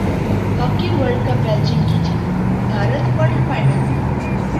hockey world cup Belgium کی جیت Bharat quarter final میں